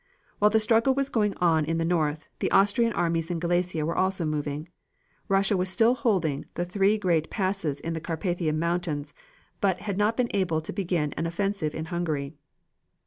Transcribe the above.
While the struggle was going on in the north, the Austrian armies in Galicia were also moving, Russia was still holding the three great passes in the Carpathian Mountains, but had not been able to begin an offensive in Hungary.